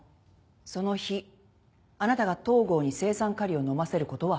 その日あなたが東郷に青酸カリを飲ませることは不可能。